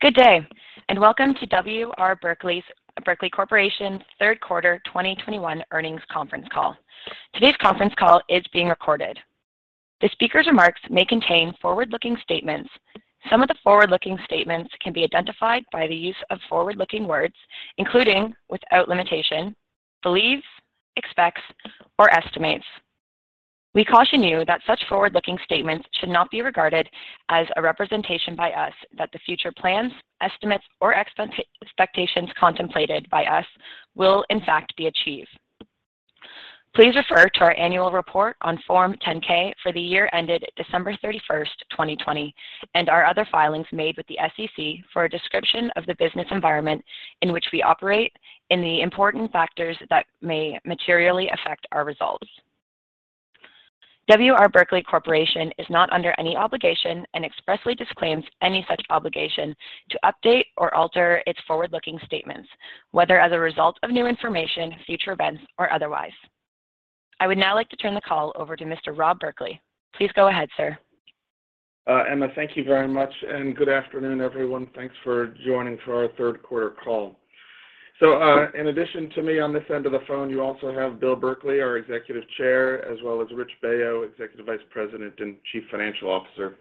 Good day, and welcome to W. R. Berkley Corporation's third quarter 2021 earnings conference call. Today's conference call is being recorded. The speaker's remarks may contain forward-looking statements. Some of the forward-looking statements can be identified by the use of forward-looking words, including, without limitation, believes, expects, or estimates. We caution you that such forward-looking statements should not be regarded as a representation by us that the future plans, estimates, or expectations contemplated by us will in fact be achieved. Please refer to our annual report on Form 10-K for the year ended December 31st, 2020, and our other filings made with the SEC for a description of the business environment in which we operate and the important factors that may materially affect our results. W. R. Berkley Corporation is not under any obligation, and expressly disclaims any such obligation to update or alter its forward-looking statements, whether as a result of new information, future events, or otherwise. I would now like to turn the call over to Mr. W. Robert Berkley Jr. Please go ahead, sir. Emma, thank you very much, and good afternoon, everyone. Thanks for joining for our third quarter call. In addition to me on this end of the phone, you also have William R. Berkley, our Executive Chair, as well as Richard M. Baio, Executive Vice President and Chief Financial Officer.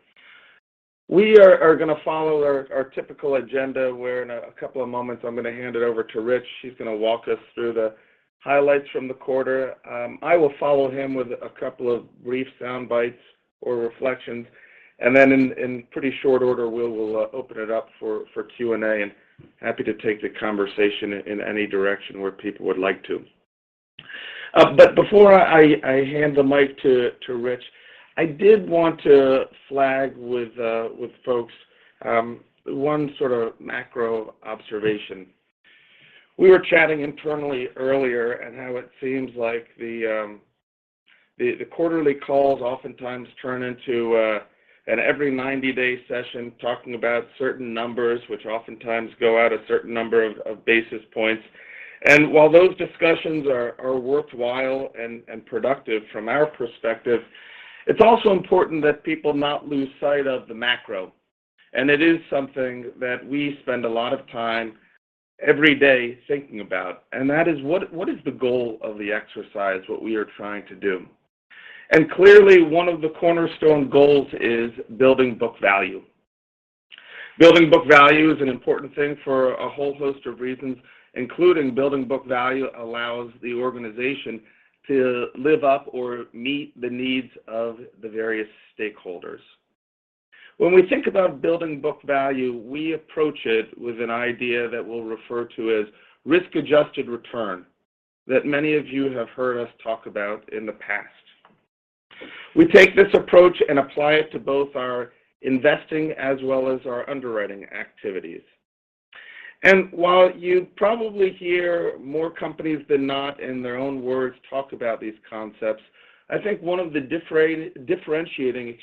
We are going to follow our typical agenda, where in a couple of moments, I'm going to hand it over to Rich. He's going to walk us through the highlights from the quarter. I will follow him with a couple of brief soundbites or reflections, and then in pretty short order, we will open it up for Q&A, and happy to take the conversation in any direction where people would like to. Before I hand the mic to Rich, I did want to flag with folks one macro observation. We were chatting internally earlier on how it seems like the quarterly calls oftentimes turn into an every 90-day session talking about certain numbers, which oftentimes go out a certain number of basis points. While those discussions are worthwhile and productive from our perspective, it's also important that people not lose sight of the macro. It is something that we spend a lot of time every day thinking about. That is, what is the goal of the exercise, what we are trying to do? Clearly one of the cornerstone goals is building book value. Building book value is an important thing for a whole host of reasons, including building book value allows the organization to live up or meet the needs of the various stakeholders. When we think about building book value, we approach it with an idea that we'll refer to as risk-adjusted return that many of you have heard us talk about in the past. We take this approach and apply it to both our investing as well as our underwriting activities. While you probably hear more companies than not, in their own words, talk about these concepts, I think one of the differentiating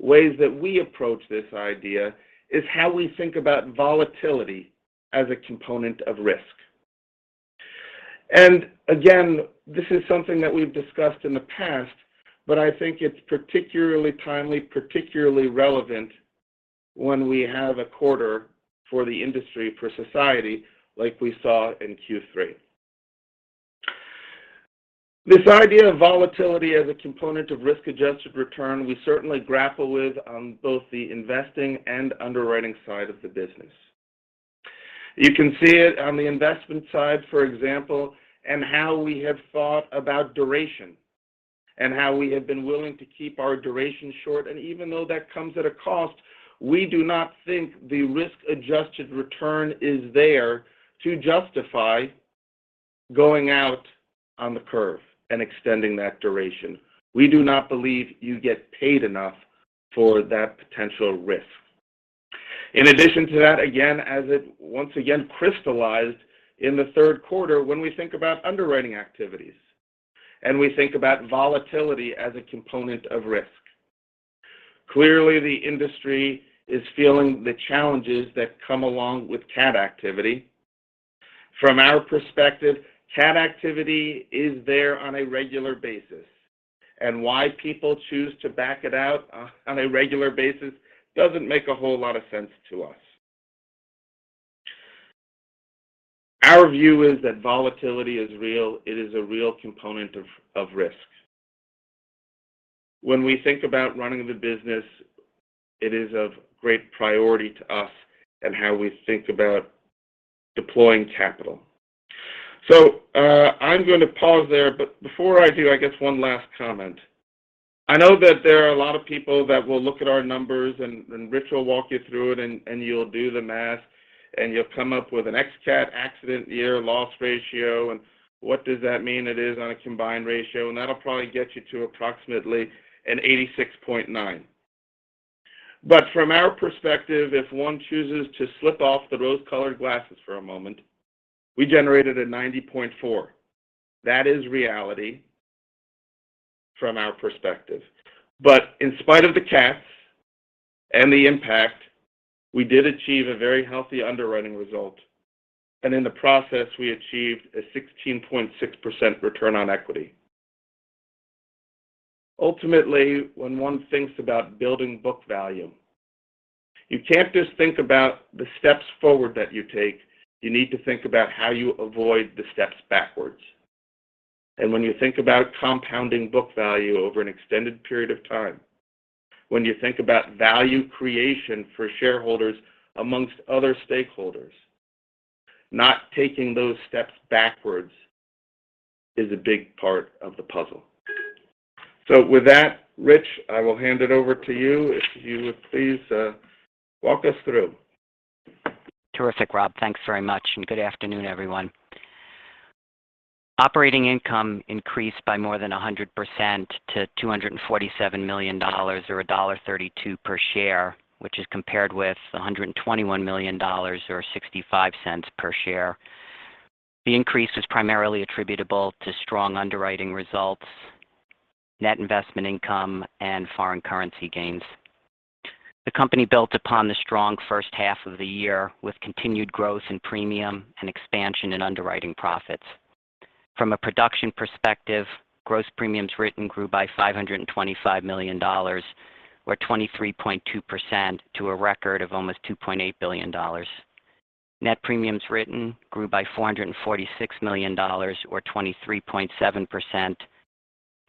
ways that we approach this idea is how we think about volatility as a component of risk. Again, this is something that we've discussed in the past, but I think it's particularly timely, particularly relevant when we have a quarter for the industry, for society, like we saw in Q3. This idea of volatility as a component of risk-adjusted return, we certainly grapple with on both the investing and underwriting side of the business. You can see it on the investment side, for example, and how we have thought about duration, and how we have been willing to keep our duration short. Even though that comes at a cost, we do not think the risk-adjusted return is there to justify going out on the curve and extending that duration. We do not believe you get paid enough for that potential risk. In addition to that, again, as it once again crystallized in the third quarter, when we think about underwriting activities, and we think about volatility as a component of risk. Clearly, the industry is feeling the challenges that come along with CAT activity. From our perspective, CAT activity is there on a regular basis. Why people choose to back it out on a regular basis doesn't make a whole lot of sense to us. Our view is that volatility is real. It is a real component of risk. When we think about running the business, it is of great priority to us and how we think about deploying capital. I'm going to pause there, but before I do, I guess one last comment. I know that there are a lot of people that will look at our numbers, and Rich will walk you through it, and you'll do the math, and you'll come up with an ex-CAT accident year loss ratio, and what does that mean it is on a combined ratio, and that'll probably get you to approximately an 86.9. From our perspective, if one chooses to slip off the rose-colored glasses for a moment, we generated a 90.4. That is reality from our perspective. In spite of the CATs and the impact, we did achieve a very healthy underwriting result. In the process, we achieved a 16.6% return on equity. Ultimately, when one thinks about building book value, you can't just think about the steps forward that you take, you need to think about how you avoid the steps backwards. When you think about compounding book value over an extended period of time, when you think about value creation for shareholders amongst other stakeholders, not taking those steps backwards is a big part of the puzzle. With that, Richard, I will hand it over to you, if you would please walk us through. Terrific, Robert. Thanks very much, and good afternoon, everyone. Operating income increased by more than 100% to $247 million or $1.32 per share, which is compared with $121 million or $0.65 per share. The increase was primarily attributable to strong underwriting results, net investment income, and foreign currency gains. The company built upon the strong first half of the year with continued growth in premium and expansion in underwriting profits. From a production perspective, gross premiums written grew by $525 million or 23.2% to a record of almost $2.8 billion. Net premiums written grew by $446 million or 23.7%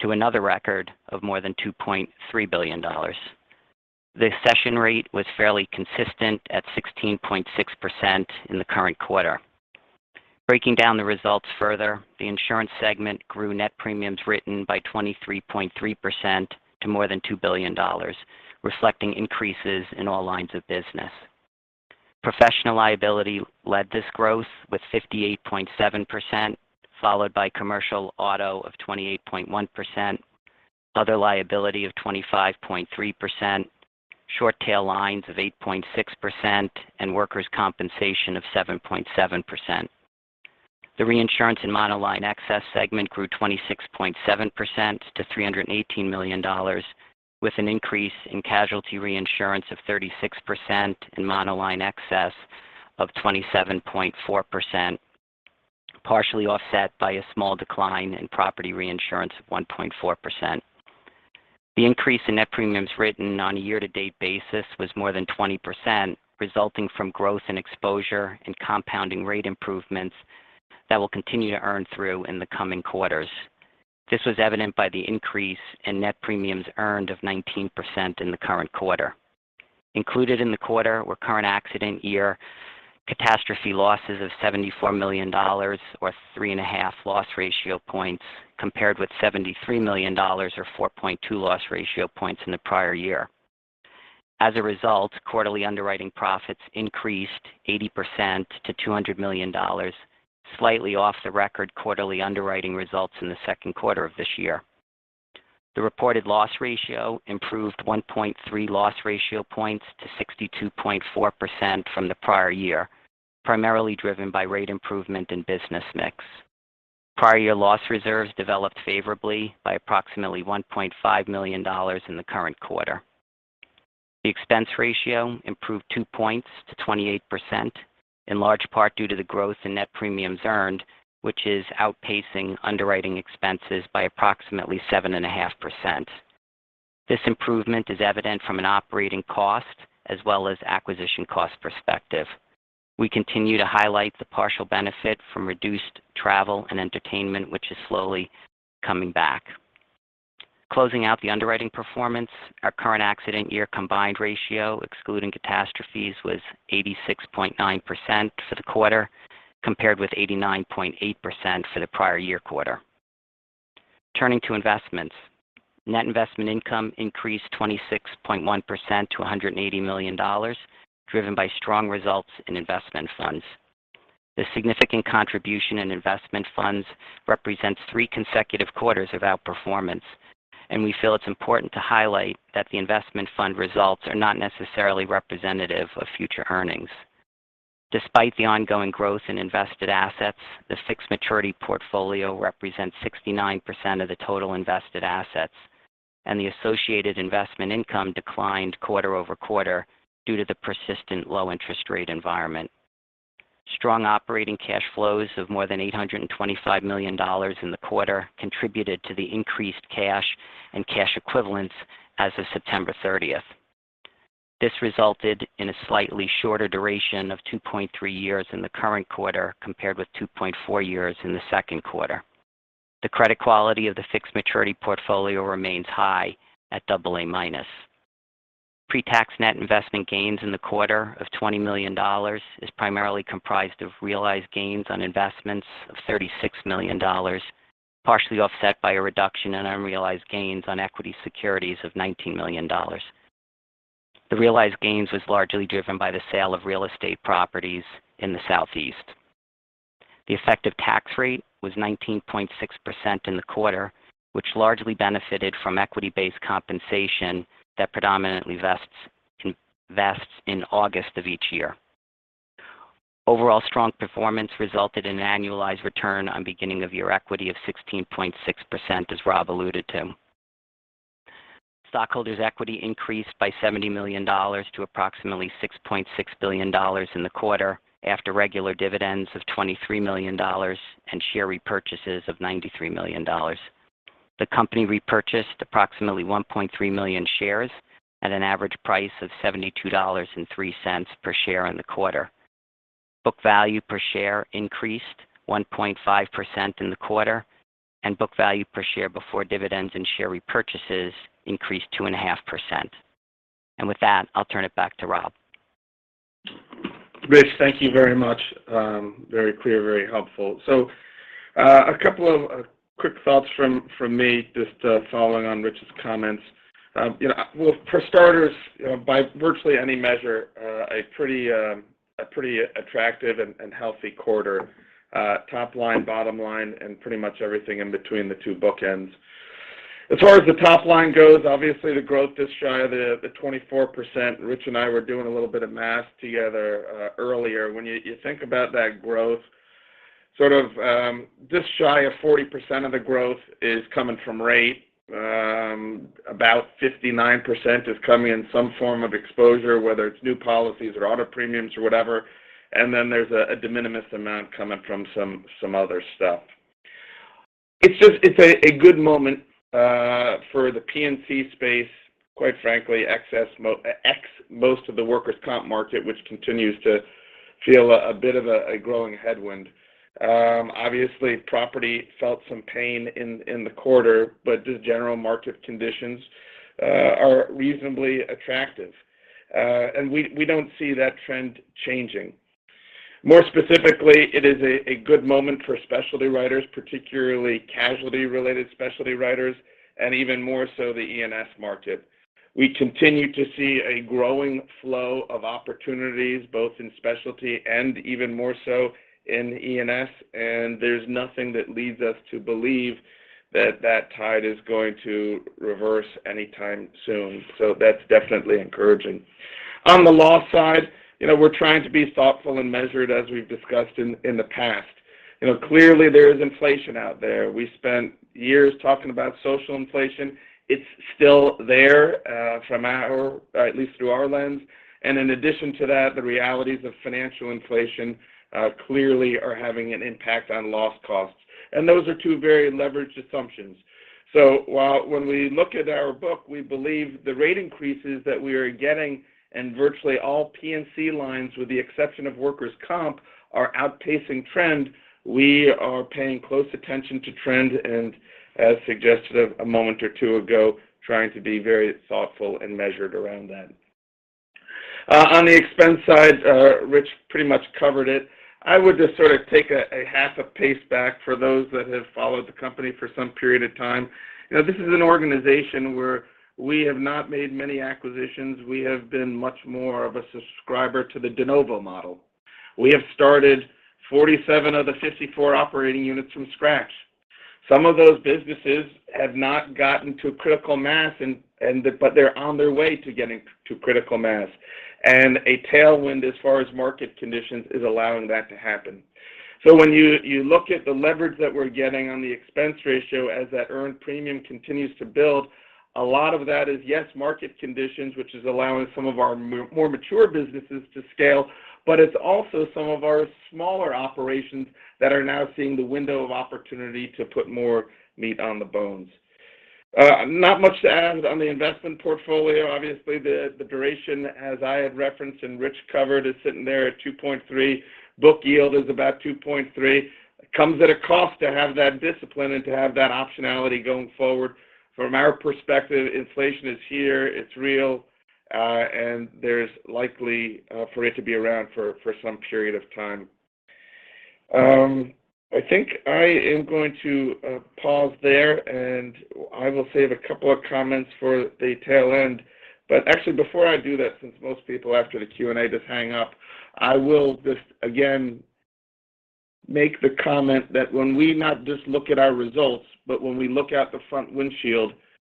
to another record of more than $2.3 billion. The cession rate was fairly consistent at 16.6% in the current quarter. Breaking down the results further, the insurance segment grew net premiums written by 23.3% to more than $2 billion, reflecting increases in all lines of business. Professional liability led this growth with 58.7%, followed by commercial auto of 28.1%, other liability of 25.3%, short tail lines of 8.6%, and workers' compensation of 7.7%. The reinsurance and monoline excess segment grew 26.7% to $318 million, with an increase in casualty reinsurance of 36% and monoline excess of 27.4%, partially offset by a small decline in property reinsurance of 1.4%. The increase in net premiums written on a year-to-date basis was more than 20%, resulting from growth in exposure and compounding rate improvements that will continue to earn through in the coming quarters. This was evident by the increase in net premiums earned of 19% in the current quarter. Included in the quarter were current accident year catastrophe losses of $74 million or three and a half loss ratio points, compared with $73 million or 4.2 loss ratio points in the prior year. As a result, quarterly underwriting profits increased 80% to $200 million, slightly off the record quarterly underwriting results in the second quarter of this year. The reported loss ratio improved 1.3 loss ratio points to 62.4% from the prior year, primarily driven by rate improvement in business mix. Prior year loss reserves developed favorably by approximately $1.5 million in the current quarter. The expense ratio improved two points to 28%, in large part due to the growth in net premiums earned, which is outpacing underwriting expenses by approximately 7.5%. This improvement is evident from an operating cost as well as acquisition cost perspective. We continue to highlight the partial benefit from reduced travel and entertainment, which is slowly coming back. Closing out the underwriting performance, our current accident year combined ratio, excluding catastrophes, was 86.9% for the quarter compared with 89.8% for the prior year quarter. Turning to investments. Net investment income increased 26.1% to $180 million, driven by strong results in investment funds. The significant contribution in investment funds represents three consecutive quarters of outperformance, and we feel it's important to highlight that the investment fund results are not necessarily representative of future earnings. Despite the ongoing growth in invested assets, the fixed maturity portfolio represents 69% of the total invested assets, and the associated investment income declined quarter-over-quarter due to the persistent low interest rate environment. Strong operating cash flows of more than $825 million in the quarter contributed to the increased cash and cash equivalents as of September 30th. This resulted in a slightly shorter duration of 2.3 years in the current quarter compared with 2.4 years in the second quarter. The credit quality of the fixed maturity portfolio remains high at AA-. Pre-tax net investment gains in the quarter of $20 million is primarily comprised of realized gains on investments of $36 million, partially offset by a reduction in unrealized gains on equity securities of $19 million. The realized gains was largely driven by the sale of real estate properties in the Southeast. The effective tax rate was 19.6% in the quarter, which largely benefited from equity-based compensation that predominantly vests in August of each year. Overall strong performance resulted in annualized return on beginning of year equity of 16.6%, as Robert alluded to. Stockholders' equity increased by $70 million to approximately $6.6 billion in the quarter after regular dividends of $23 million and share repurchases of $93 million. The company repurchased approximately 1.3 million shares at an average price of $72.03 per share in the quarter. Book value per share increased 1.5% in the quarter, and book value per share before dividends and share repurchases increased 2.5%. With that, I'll turn it back to Robert. Richard, thank you very much. Very clear, very helpful. A couple of quick thoughts from me, just following on Rich's comments. Well, for starters, by virtually any measure, a pretty attractive and healthy quarter. Top line, bottom line, and pretty much everything in between the two bookends. As far as the top line goes, obviously the growth just shy of the 24%, Richard and I were doing a little bit of math together earlier. When you think about that growth, this shy of 40% of the growth is coming from rate. About 59% is coming in some form of exposure, whether it's new policies or auto premiums or whatever. Then there's a de minimis amount coming from some other stuff. It's a good moment for the P&C space, quite frankly, ex most of the workers' comp market, which continues to feel a bit of a growing headwind. Obviously, property felt some pain in the quarter, but just general market conditions are reasonably attractive. We don't see that trend changing. More specifically, it is a good moment for specialty writers, particularly casualty related specialty writers, and even more so the E&S market. We continue to see a growing flow of opportunities, both in specialty and even more so in E&S, and there's nothing that leads us to believe that tide is going to reverse anytime soon. That's definitely encouraging. On the loss side, we're trying to be thoughtful and measured as we've discussed in the past. Clearly there is inflation out there. We spent years talking about social inflation. It's still there from our, at least through our lens. In addition to that, the realities of financial inflation clearly are having an impact on loss costs. Those are two very leveraged assumptions. While when we look at our book, we believe the rate increases that we are getting in virtually all P&C lines, with the exception of workers' comp, are outpacing trend. We are paying close attention to trend and as suggested a moment or two ago, trying to be very thoughtful and measured around that. On the expense side, Richard pretty much covered it. I would just take a half a pace back for those that have followed the company for some period of time. This is an organization where we have not made many acquisitions. We have been much more of a subscriber to the de novo model. We have started 47 of the 54 operating units from scratch. Some of those businesses have not gotten to critical mass but they're on their way to getting to critical mass. A tailwind as far as market conditions is allowing that to happen. When you look at the leverage that we're getting on the expense ratio as that earned premium continues to build, a lot of that is, yes, market conditions, which is allowing some of our more mature businesses to scale, but it's also some of our smaller operations that are now seeing the window of opportunity to put more meat on the bones. Not much to add on the investment portfolio. Obviously, the duration, as I had referenced and Richard covered, is sitting there at 2.3%. Book yield is about 2.3%. Comes at a cost to have that discipline and to have that optionality going forward. From our perspective, inflation is here, it's real, and there's likely for it to be around for some period of time. I think I am going to pause there and I will save a couple of comments for the tail end. Actually before I do that, since most people after the Q&A just hang up, I will just again make the comment that when we not just look at our results, but when we look out the front windshield,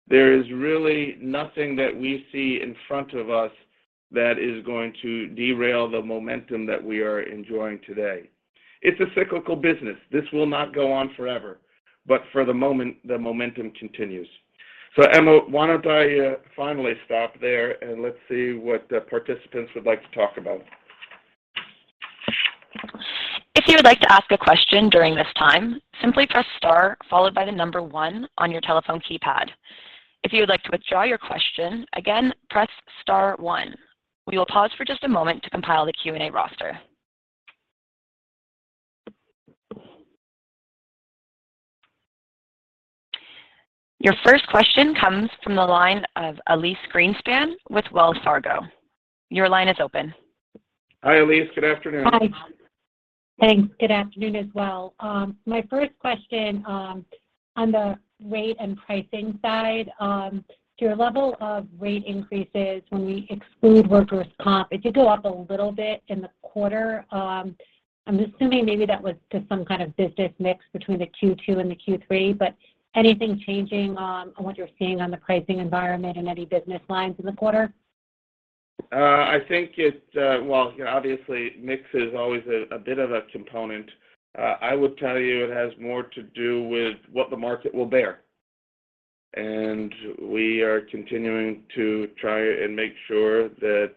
there is really nothing that we see in front of us that is going to derail the momentum that we are enjoying today. It's a cyclical business. This will not go on forever. For the moment, the momentum continues. Emma, why don't I finally stop there and let's see what participants would like to talk about. If you would like to ask a question during this time, simply press star followed by the one on your telephone keypad. If you would like to withdraw your question, again, press star one. We will pause for just a moment to compile the Q&A roster. Your first question comes from the line of Elyse Greenspan with Wells Fargo. Your line is open. Hi, Elyse. Good afternoon. Hi. Thanks. Good afternoon as well. My first question on the rate and pricing side. To your level of rate increases when we exclude workers' comp, it did go up a little bit in the quarter. I'm assuming maybe that was just some kind of business mix between the Q2 and the Q3, but anything changing on what you're seeing on the pricing environment in any business lines in the quarter? I think it, well, obviously, mix is always a bit of a component. I would tell you it has more to do with what the market will bear. We are continuing to try and make sure that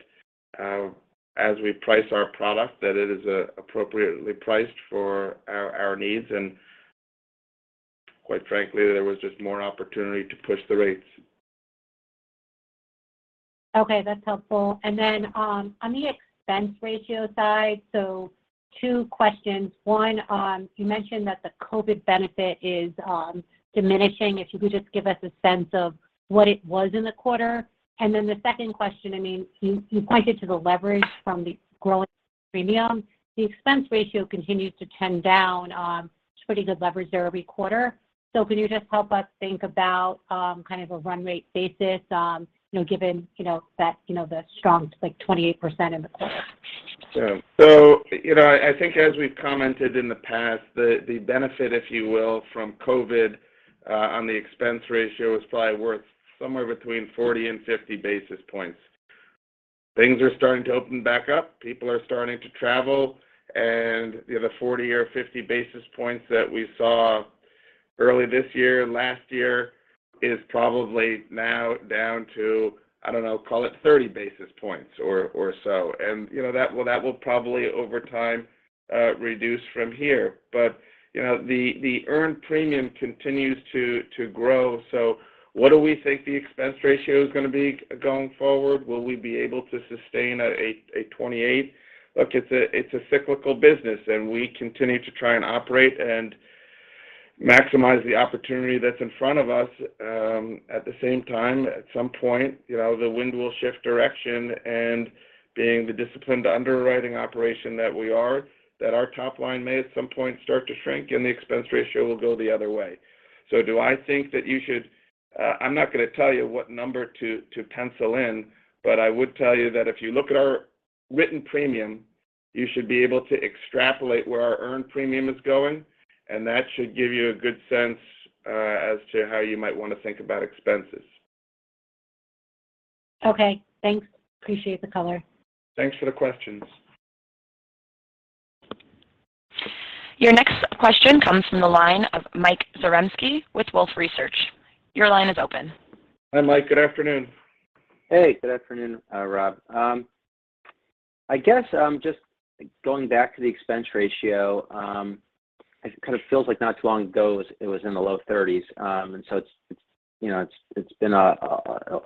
as we price our product, that it is appropriately priced for our needs. Quite frankly, there was just more opportunity to push the rates. Okay, that's helpful. On the expense ratio side, two questions. One, you mentioned that the COVID benefit is diminishing. If you could just give us a sense of what it was in the quarter. The second question, you pointed to the leverage from the growing premium. The expense ratio continues to trend down. It's pretty good leverage there every quarter. Can you just help us think about kind of a run rate basis, given the strong 28% in the quarter? Sure. I think as we've commented in the past, the benefit, if you will, from COVID, on the expense ratio is probably worth somewhere between 40 and 50 basis points. Things are starting to open back up. People are starting to travel, and the other 40 or 50 basis points that we saw early this year, last year, is probably now down to, I don't know, call it 30 basis points or so. That will probably, over time, reduce from here. The earned premium continues to grow, so what do we think the expense ratio is going to be going forward? Will we be able to sustain a 28%? Look, it's a cyclical business, and we continue to try and operate and maximize the opportunity that's in front of us. At the same time, at some point, the wind will shift direction, and being the disciplined underwriting operation that we are, that our top line may at some point start to shrink, and the expense ratio will go the other way. Do I think that you should, I'm not going to tell you what number to pencil in, but I would tell you that if you look at our written premium, you should be able to extrapolate where our earned premium is going. That should give you a good sense as to how you might want to think about expenses. Okay, thanks. Appreciate the color. Thanks for the questions. Your next question comes from the line of Mike Zaremski with Wolfe Research. Your line is open. Hi, Mike. Good afternoon. Hey, good afternoon, Robert. I guess just going back to the expense ratio, it kind of feels like not too long ago it was in the low 30%s. It's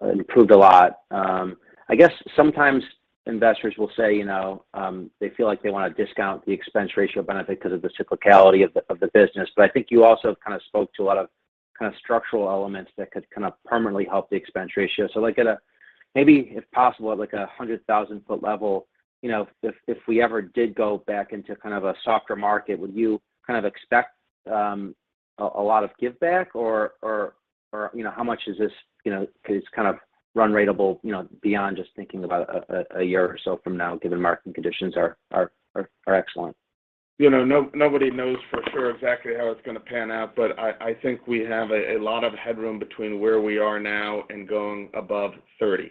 improved a lot. I guess sometimes investors will say they feel like they want to discount the expense ratio benefit because of the cyclicality of the business. I think you also kind of spoke to a lot of structural elements that could kind of permanently help the expense ratio. Like at a, maybe if possible, at a 100,000 foot level, if we ever did go back into kind of a softer market, would you kind of expect a lot of give back or how much is this kind of run ratable beyond just thinking about a year or so from now, given marketing conditions are excellent? Nobody knows for sure exactly how it's going to pan out, but I think we have a lot of headroom between where we are now and going above 30%.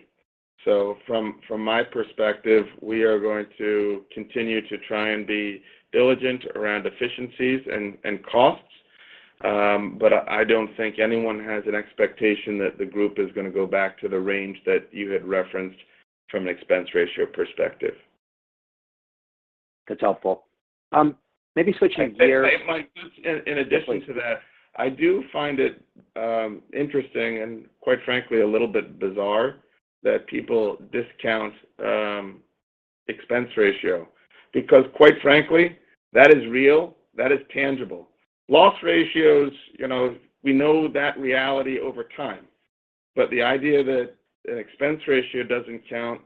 From my perspective, we are going to continue to try and be diligent around efficiencies and costs. I don't think anyone has an expectation that the group is going to go back to the range that you had referenced from an expense ratio perspective. That's helpful. I'd say, Mike, just in addition to that, I do find it interesting and, quite frankly, a little bit bizarre that people discount expense ratio because quite frankly, that is real, that is tangible. Loss ratios, we know that reality over time. The idea that an expense ratio doesn't count,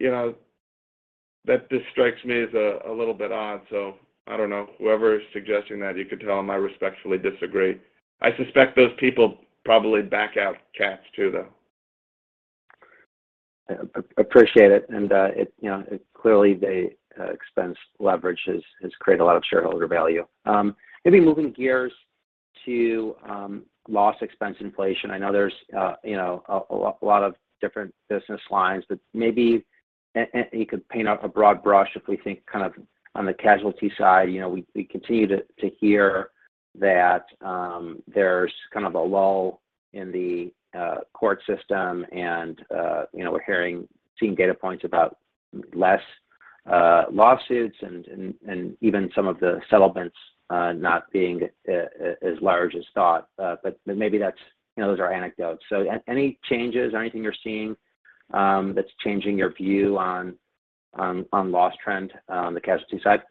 that just strikes me as a little bit odd. I don't know. Whoever is suggesting that, you could tell them I respectfully disagree. I suspect those people probably back out CATs too, though. Appreciate it. Clearly the expense leverage has created a lot of shareholder value. Maybe moving gears to loss expense inflation. I know there's a lot of different business lines, but maybe you could paint up a broad brush if we think kind of on the casualty side. We continue to hear that there's kind of a lull in the court system, and we're seeing data points about less lawsuits and even some of the settlements not being as large as thought. Maybe those are anecdotes. Any changes, anything you're seeing that's changing your view on loss trend on the casualty side?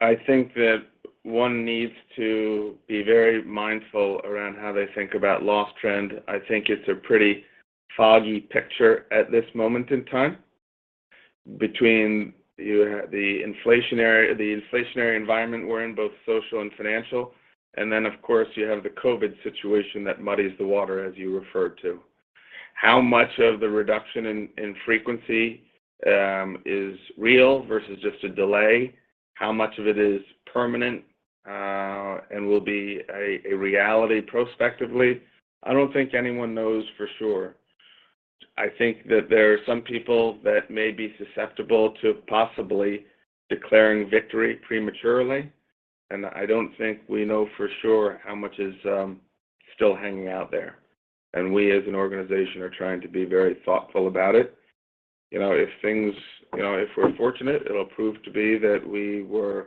I think that one needs to be very mindful around how they think about loss trend. I think it's a pretty foggy picture at this moment in time between the inflationary environment we're in, both social and financial. Of course, you have the COVID situation that muddies the water, as you referred to. How much of the reduction in frequency is real versus just a delay? How much of it is permanent and will be a reality prospectively? I don't think anyone knows for sure. I think that there are some people that may be susceptible to possibly declaring victory prematurely, and I don't think we know for sure how much is still hanging out there. We as an organization are trying to be very thoughtful about it. If we're fortunate, it'll prove to be that we were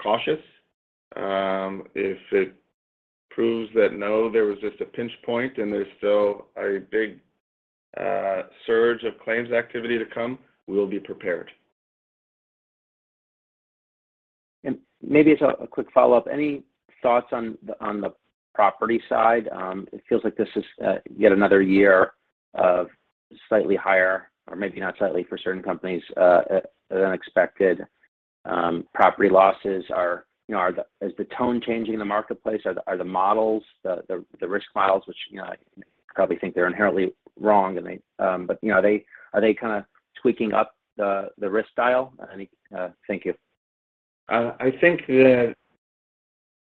cautious. If it proves that no, there was just a pinch point and there's still a big surge of claims activity to come, we'll be prepared. Maybe as a quick follow-up, any thoughts on the property side? It feels like this is yet another year of slightly higher, or maybe not slightly for certain companies, than expected property losses. Is the tone changing in the marketplace? Are the risk models, which I probably think they're inherently wrong, but are they kind of tweaking up the risk style? I think that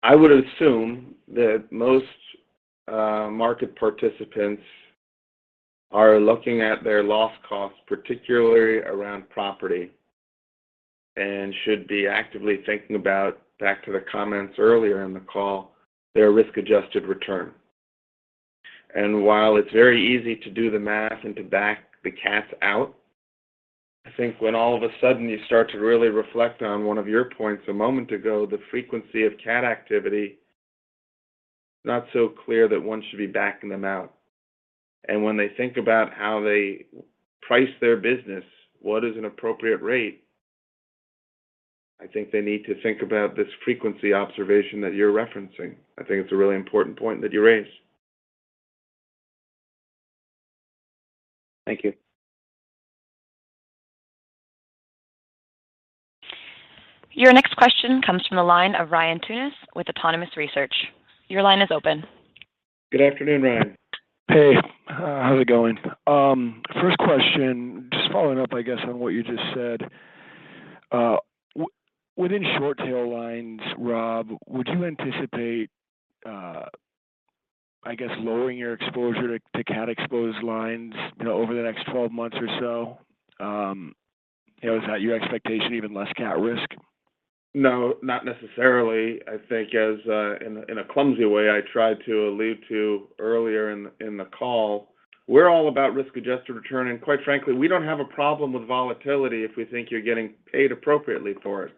I would assume that most market participants are looking at their loss costs, particularly around property, and should be actively thinking about, back to the comments earlier in the call, their risk-adjusted return. While it's very easy to do the math and to back the CAT out, I think when all of a sudden you start to really reflect on one of your points a moment ago, the frequency of CAT activity, not so clear that one should be backing them out. When they think about how they price their business, what is an appropriate rate, I think they need to think about this frequency observation that you're referencing. I think it's a really important point that you raised. Thank you. Your next question comes from the line of Ryan Tunis with Autonomous Research. Your line is open. Good afternoon, Ryan. Hey. How's it going? First question, just following up, I guess, on what you just said. Within short tail lines, Robert, would you anticipate, I guess, lowering your exposure to CAT-exposed lines over the next 12 months or so? Is that your expectation, even less CAT risk? No, not necessarily. I think as in a clumsy way, I tried to allude to earlier in the call, we're all about risk-adjusted return, and quite frankly, we don't have a problem with volatility if we think you're getting paid appropriately for it.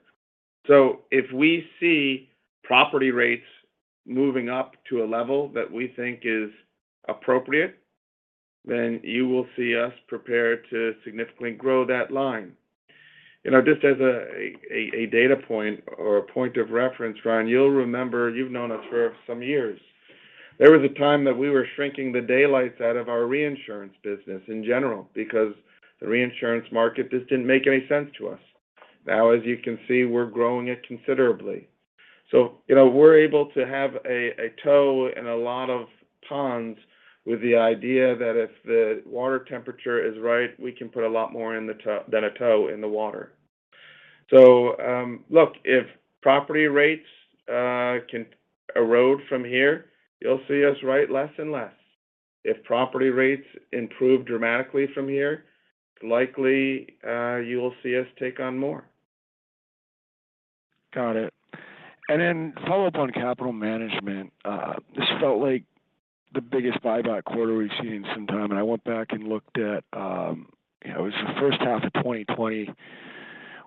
If we see property rates moving up to a level that we think is appropriate, then you will see us prepared to significantly grow that line. Just as a data point or a point of reference, Ryan, you'll remember you've known us for some years. There was a time that we were shrinking the daylights out of our reinsurance business in general because the reinsurance market just didn't make any sense to us. Now, as you can see, we're growing it considerably. We're able to have a toe and a lot of ponds with the idea that if the water temperature is right, we can put a lot more than a toe in the water. Look, if property rates can erode from here, you'll see us write less and less. If property rates improve dramatically from here, likely you will see us take on more. Got it. Then follow-up on capital management. This felt like the biggest buyback quarter we've seen in some time, and I went back and looked at, it was the first half of 2020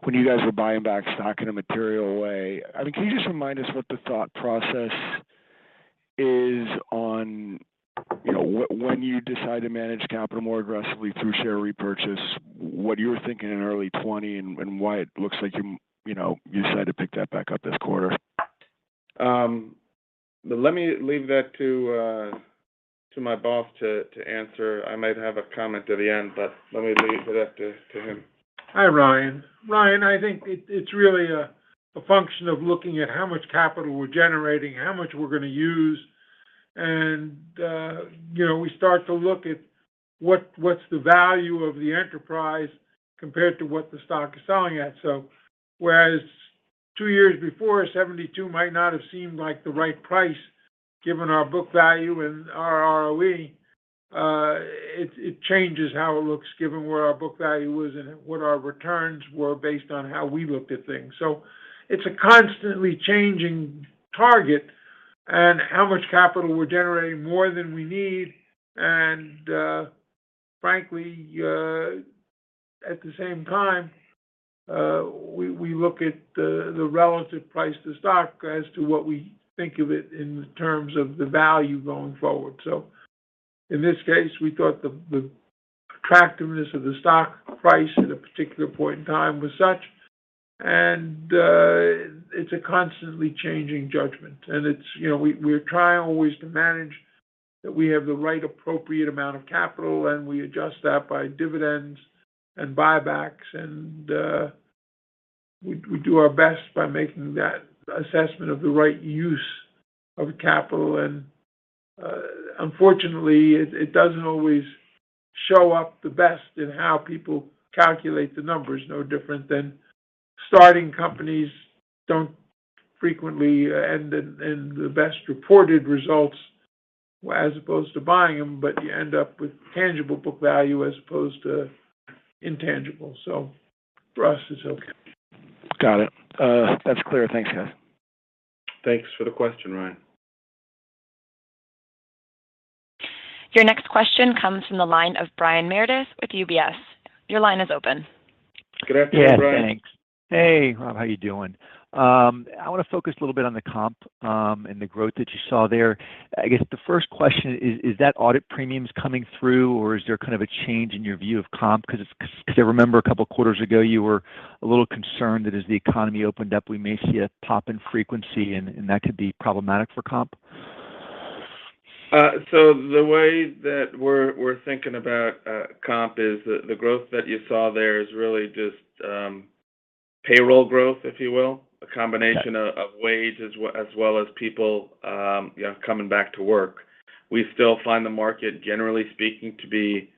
when you guys were buying back stock in a material way. Can you just remind us what the thought process is on when you decide to manage capital more aggressively through share repurchase, what you were thinking in early 2020 and why it looks like you decided to pick that back up this quarter? Let me leave that to my boss to answer. I might have a comment at the end, but let me leave that to him. Hi, Ryan. I think it's really a function of looking at how much capital we're generating, how much we're going to use, and we start to look at what's the value of the enterprise compared to what the stock is selling at. Whereas two years before, $72 might not have seemed like the right price given our book value and our ROE, it changes how it looks given where our book value was and what our returns were based on how we looked at things. It's a constantly changing target and how much capital we're generating more than we need, and frankly, at the same time, we look at the relative price to stock as to what we think of it in terms of the value going forward. In this case, we thought the attractiveness of the stock price at a particular point in time was such, and it's a constantly changing judgment. We try always to manage that we have the right appropriate amount of capital, and we adjust that by dividends and buybacks, and we do our best by making that assessment of the right use of capital. Unfortunately, it doesn't always show up the best in how people calculate the numbers, no different than starting companies don't frequently end in the best reported results, as opposed to buying them, but you end up with tangible book value as opposed to intangible. For us, it's okay. Got it. That's clear. Thanks, guys. Thanks for the question, Ryan. Your next question comes from the line of Brian Meredith with UBS. Your line is open. Good afternoon, Brian. Yeah, thanks. Hey, Robert, how are you doing? I want to focus a little bit on the comp and the growth that you saw there. I guess the first question is that audit premiums coming through, or is there a change in your view of comp? As I remember a couple of quarters ago, you were a little concerned that as the economy opened up, we may see a pop in frequency and that could be problematic for comp. The way that we're thinking about comp is the growth that you saw there is really just payroll growth, if you will. Got it. A combination of wages as well as people coming back to work. We still find the market, generally speaking, to be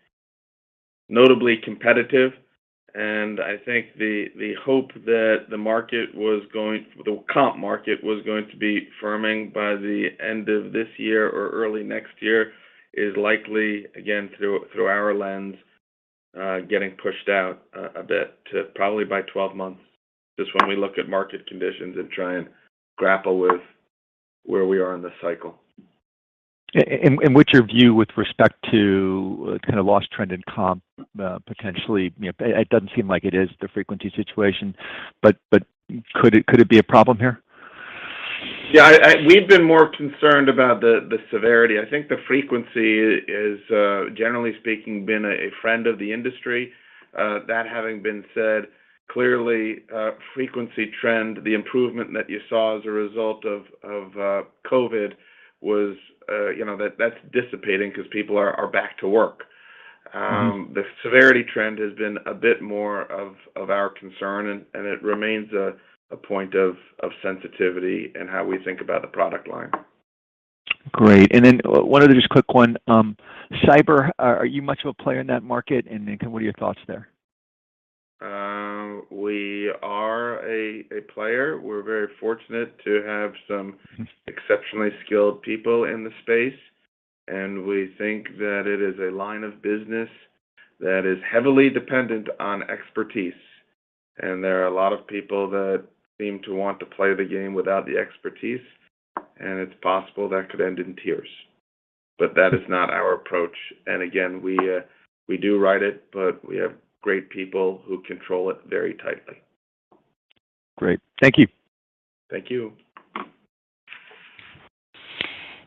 notably competitive, and I think the hope that the comp market was going to be firming by the end of this year or early next year is likely, again, through our lens, getting pushed out a bit to probably by 12 months, just when we look at market conditions and try and grapple with where we are in the cycle. What's your view with respect to lost trend in comp, potentially? It doesn't seem like it is the frequency situation, but could it be a problem here? Yeah, we've been more concerned about the severity. I think the frequency is, generally speaking, been a friend of the industry. That having been said, clearly, frequency trend, the improvement that you saw as a result of COVID, that's dissipating because people are back to work. The severity trend has been a bit more of our concern, and it remains a point of sensitivity in how we think about the product line. Great. One other just quick one. Cyber, are you much of a player in that market? What are your thoughts there? We are a player. We're very fortunate to have some exceptionally skilled people in the space, and we think that it is a line of business that is heavily dependent on expertise, and there are a lot of people that seem to want to play the game without the expertise, and it's possible that could end in tears. That is not our approach, and again, we do write it, but we have great people who control it very tightly. Great. Thank you. Thank you.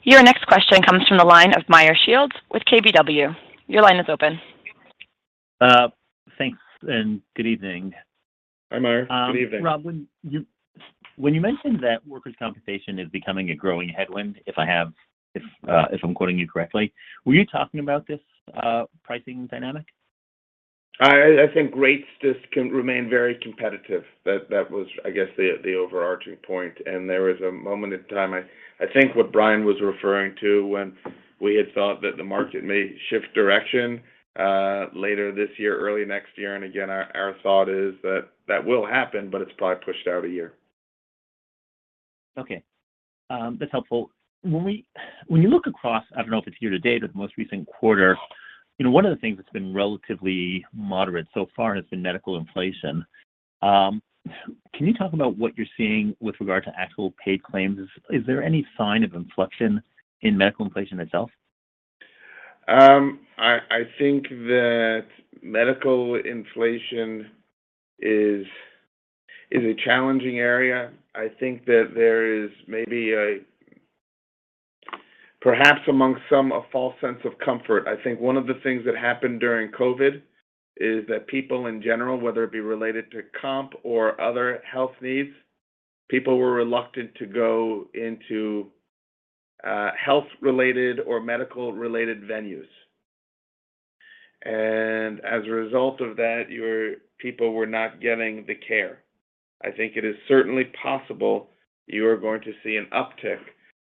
Your next question comes from the line of Meyer Shields with KBW. Your line is open. Thanks, and good evening. Hi, Meyer. Good evening. Robert, when you mentioned that workers' compensation is becoming a growing headwind, if I'm quoting you correctly, were you talking about this pricing dynamic? I think rates just can remain very competitive. That was, I guess, the overarching point. There was a moment in time, I think what Brian was referring to when we had thought that the market may shift direction later this year, early next year. Again, our thought is that that will happen, but it's probably pushed out a year. Okay. That's helpful. When you look across, I don't know if it's year to date or the most recent quarter, one of the things that's been relatively moderate so far has been medical inflation. Can you talk about what you're seeing with regard to actual paid claims? Is there any sign of inflection in medical inflation itself? I think that medical inflation is a challenging area. I think that there is maybe perhaps amongst some, a false sense of comfort. I think one of the things that happened during COVID is that people in general, whether it be related to comp or other health needs, people were reluctant to go into health-related or medical-related venues. As a result of that, your people were not getting the care. I think it is certainly possible you are going to see an uptick.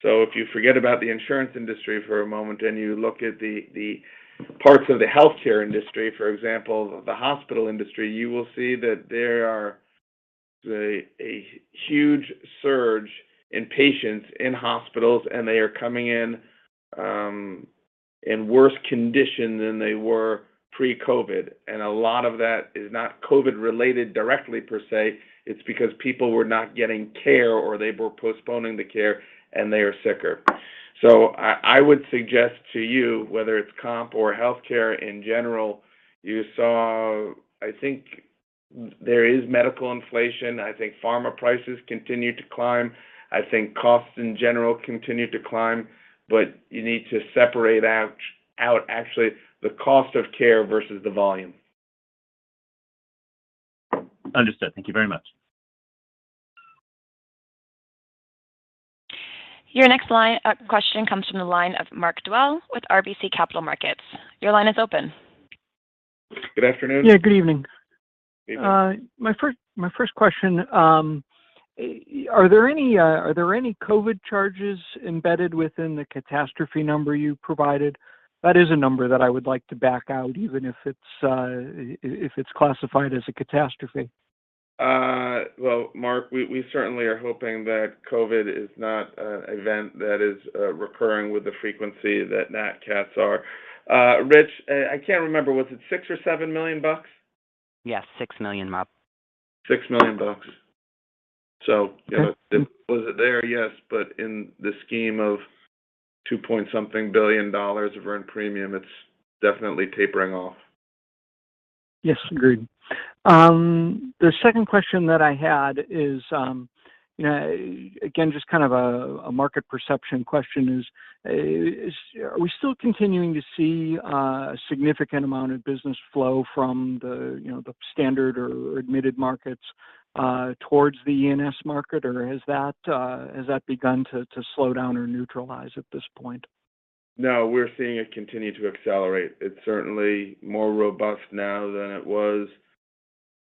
If you forget about the insurance industry for a moment and you look at the parts of the healthcare industry, for example, the hospital industry, you will see that there are a huge surge in patients in hospitals, and they are coming in in worse condition than they were pre-COVID. A lot of that is not COVID related directly per se. It's because people were not getting care or they were postponing the care and they are sicker. I would suggest to you, whether it's comp or healthcare in general, I think there is medical inflation. I think pharma prices continue to climb. I think costs in general continue to climb, but you need to separate out actually the cost of care versus the volume. Understood. Thank you very much. Your next question comes from the line of Mark Dwelle with RBC Capital Markets. Good afternoon. Yeah. Good evening. Evening. My first question, are there any COVID charges embedded within the catastrophe number you provided? That is a number that I would like to back out, even if it's classified as a catastrophe. Well, Mark, we certainly are hoping that COVID is not an event that is recurring with the frequency that nat cats are. Richard, I can't remember, was it $6 million or $7 million? Yes. $6 million, Mark. $6 million. Okay Was it there? Yes, but in the scheme of $two-point-something billion of earned premium, it's definitely tapering off. Yes. Agreed. The second question that I had is, again, just a market perception question is, are we still continuing to see a significant amount of business flow from the standard or admitted markets towards the E&S market, or has that begun to slow down or neutralize at this point? No, we're seeing it continue to accelerate. It's certainly more robust now than it was.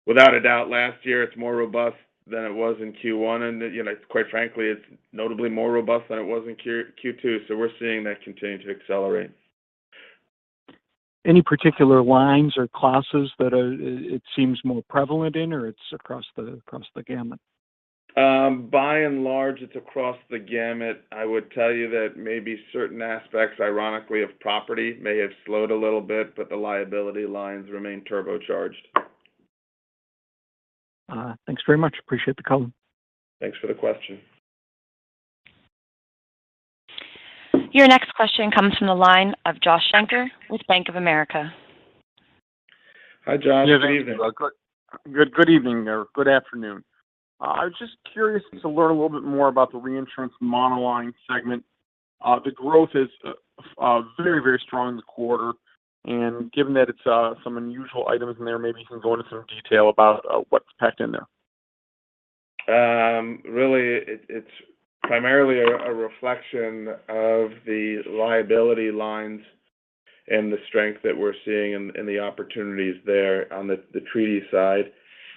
Without a doubt, last year it's more robust than it was in Q1, and quite frankly, it's notably more robust than it was in Q2. We're seeing that continue to accelerate. Any particular lines or classes that it seems more prevalent in, or it's across the gamut? By and large, it's across the gamut. I would tell you that maybe certain aspects, ironically, of property may have slowed a little bit, but the liability lines remain turbocharged. Thanks very much. Appreciate the call. Thanks for the question. Your next question comes from the line of Josh Shanker with Bank of America. Hi, Josh. Good evening. Yeah. Thank you. Good evening there. Good afternoon. I was just curious to learn a little bit more about the reinsurance monoline segment. The growth is very strong this quarter, and given that it's some unusual items in there, maybe you can go into some detail about what's packed in there. Really, it's primarily a reflection of the liability lines and the strength that we're seeing and the opportunities there on the treaty side.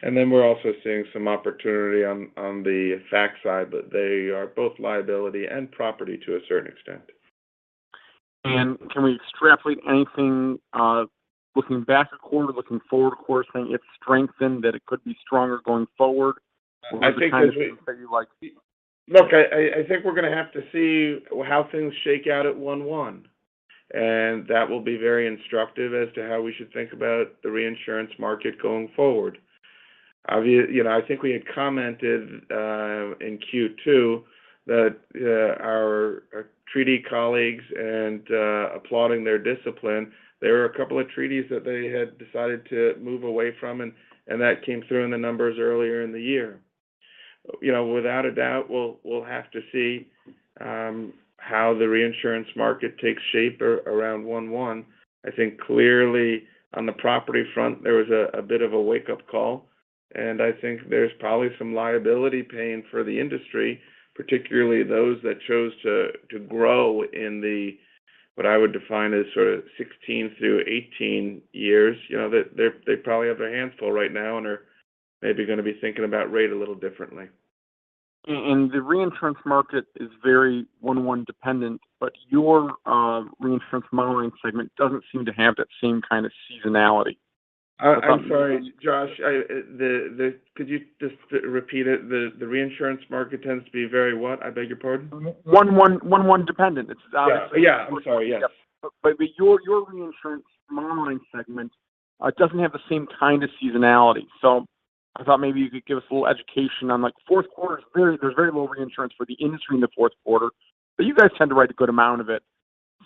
We're also seeing some opportunity on the fac side, but they are both liability and property to a certain extent. Can we extrapolate anything looking back a quarter, looking forward a quarter, saying it's strengthened, that it could be stronger going forward? I think that. Over time, is there anything that you like to see? I think we're going to have to see how things shake out at January 1, and that will be very instructive as to how we should think about the reinsurance market going forward. I think we had commented in Q2 that our treaty colleagues and applauding their discipline, there were two treaties that they had decided to move away from, and that came through in the numbers earlier in the year. Without a doubt, we'll have to see how the reinsurance market takes shape around January 1. I think clearly on the property front, there was a bit of a wake-up call, and I think there's probably some liability paying for the industry, particularly those that chose to grow in the, what I would define as sort of 2016 through 2018 years. They probably have their hands full right now and are maybe going to be thinking about rate a little differently. The reinsurance market is very January 1 dependent, but your reinsurance monoline segment doesn't seem to have that same kind of seasonality. I'm sorry, Josh. Could you just repeat it? The reinsurance market tends to be very what? I beg your pardon. January 1 dependent. It's obviously- Yeah. I'm sorry. Yes. Your reinsurance monoline segment doesn't have the same kind of seasonality. I thought maybe you could give us a little education on like, fourth quarter, there's very low reinsurance for the industry in the fourth quarter, but you guys tend to write a good amount of it.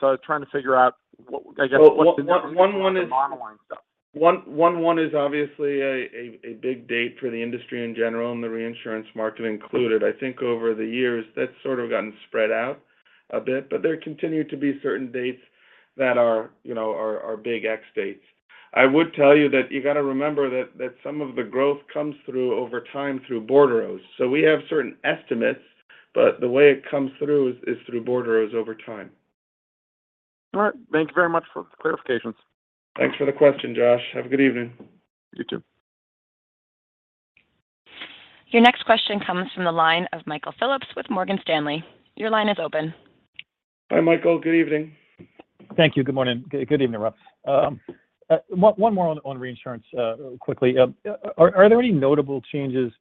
I was trying to figure out what, I guess, what's the difference? Well, January 1. for the monoline stuff. January 1 is obviously a big date for the industry in general and the reinsurance market included. I think over the years, that's sort of gotten spread out a bit, but there continue to be certain dates that are big X dates. I would tell you that you got to remember that some of the growth comes through over time through bordereaux. We have certain estimates, but the way it comes through is through bordereaux over time. All right. Thank you very much for the clarifications. Thanks for the question, Josh. Have a good evening. You too. Your next question comes from the line of Michael Phillips with Morgan Stanley. Your line is open. Hi, Michael. Good evening. Thank you. Good morning. Good evening, Robert. One more on reinsurance quickly. Are there any notable changes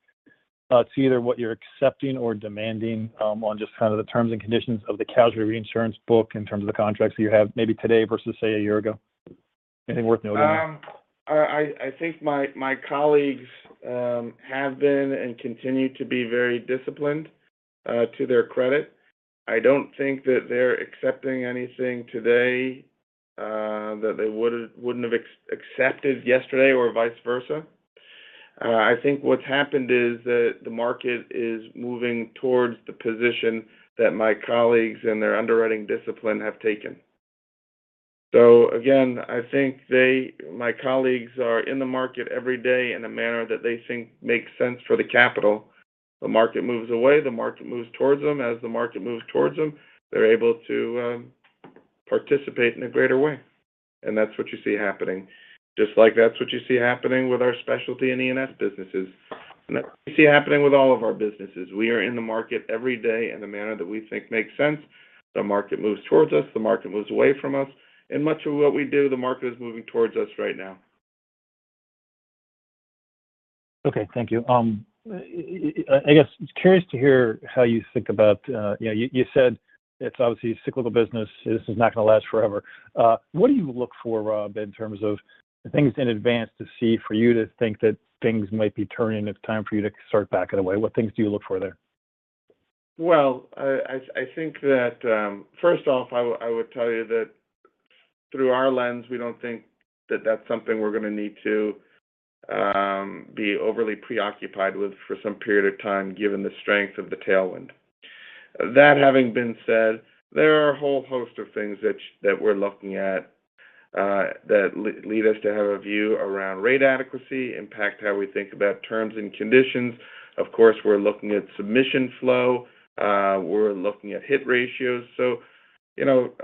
to either what you're accepting or demanding on just the terms and conditions of the casualty reinsurance book in terms of the contracts you have maybe today versus, say, a year ago? Anything worth noting there? I think my colleagues have been and continue to be very disciplined, to their credit. I don't think that they're accepting anything today that they wouldn't have accepted yesterday or vice versa. I think what's happened is that the market is moving towards the position that my colleagues and their underwriting discipline have taken. Again, I think my colleagues are in the market every day in a manner that they think makes sense for the capital. The market moves away, the market moves towards them. As the market moves towards them, they're able to participate in a greater way, and that's what you see happening. Just like that's what you see happening with our specialty and E&S businesses, and that's what you see happening with all of our businesses. We are in the market every day in the manner that we think makes sense. The market moves towards us, the market moves away from us, and much of what we do, the market is moving towards us right now. Okay. Thank you. I guess, just curious to hear. You said it's obviously cyclical business. This is not going to last forever. What do you look for, Robert, in terms of the things in advance to see for you to think that things might be turning, it's time for you to start backing away? What things do you look for there? Well, I think that first off, I would tell you that through our lens, we don't think that that's something we're going to need to be overly preoccupied with for some period of time given the strength of the tailwind. That having been said, there are a whole host of things that we're looking at that lead us to have a view around rate adequacy, impact how we think about terms and conditions. Of course, we're looking at submission flow. We're looking at hit ratios.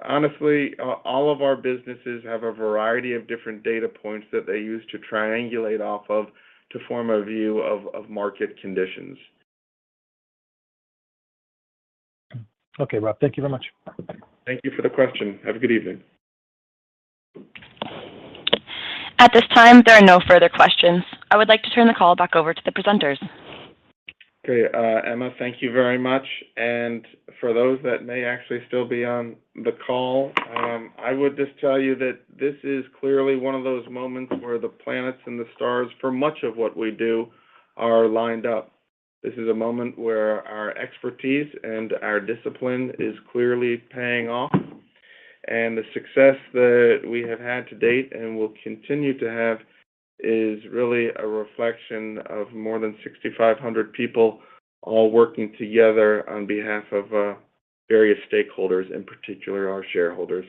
Honestly, all of our businesses have a variety of different data points that they use to triangulate off of to form a view of market conditions. Okay, Robert. Thank you very much. Thank you for the question. Have a good evening. At this time, there are no further questions. I would like to turn the call back over to the presenters. Okay. Emma, thank you very much. For those that may actually still be on the call, I would just tell you that this is clearly one of those moments where the planets and the stars, for much of what we do, are lined up. This is a moment where our expertise and our discipline is clearly paying off. The success that we have had to date and will continue to have is really a reflection of more than 6,500 people all working together on behalf of various stakeholders, in particular our shareholders.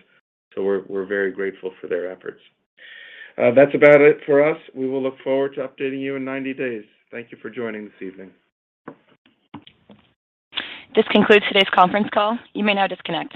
We're very grateful for their efforts. That's about it for us. We will look forward to updating you in 90 days. Thank you for joining this evening. This concludes today's conference call. You may now disconnect.